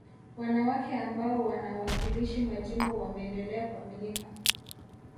wanawake ambao wanawakilishi majimbo wameendelea kuaminika